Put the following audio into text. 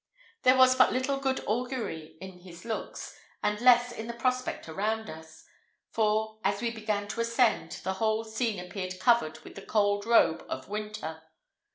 There was but little good augury in his looks, and less in the prospect around us; for, as we began to ascend, the whole scene appeared covered with the cold robe of winter.